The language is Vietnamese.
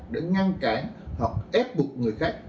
để ngăn cản hoặc ép buộc người khác